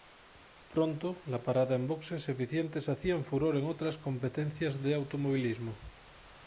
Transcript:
Pronto, la parada en boxes eficientes hacían furor en otras competencias de automovilismo.